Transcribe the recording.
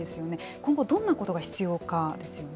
今後、どんなことが必要か、ですよね。